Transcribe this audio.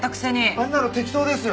あんなの適当ですよ。